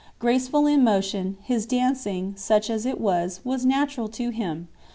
Graceful in motion, his dancing, such as it was, was natural to him.